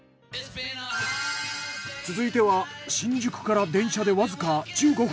続いては新宿から電車でわずか１５分。